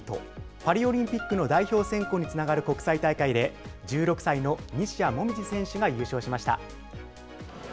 パリオリンピックの代表選考につながる国際大会で、１６歳の西矢椛選手が優勝しました。